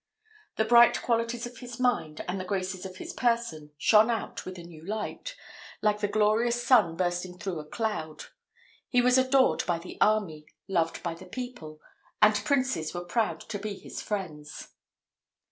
The bright qualities of his mind, and the graces of his person, shone out with a new light, like the glorious sun bursting through a cloud. He was adored by the army, loved by the people; and princes were proud to be his friends.